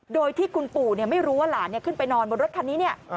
โดยที่คุณปู่ไม่รู้ว่าหลานขึ้นไปนอนบนรถคันนี้เนี่ย